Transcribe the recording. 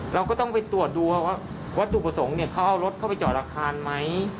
เราก็ต้องไปตรวจดูว่าวัตถุประสงค์เขาเอารถเข้าไปจอดอาคารไหม